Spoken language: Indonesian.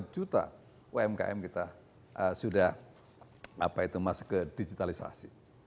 tujuh belas lima juta umkm kita sudah masuk ke digitalisasi